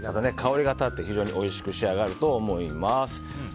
香りが立って非常においしく仕上がると思います。